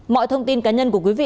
mọi thông tin cá nhân của quý vị